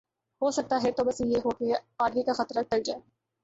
ہوسکتا ہے توبہ سے یہ ہو کہ آگے کا خطرہ ٹل جاۓ